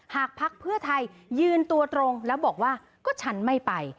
พักเพื่อไทยยืนตัวตรงแล้วบอกว่าก็ฉันไม่ไป